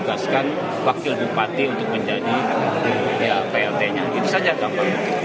yang diperlukan satu x dua puluh empat jam